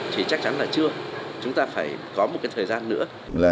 thì chắc chắn là chưa chúng ta phải có một thời gian nữa